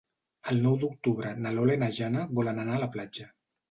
El nou d'octubre na Lola i na Jana volen anar a la platja.